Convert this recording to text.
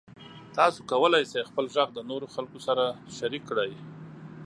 تاسو کولی شئ خپل غږ د نورو خلکو سره شریک کړئ.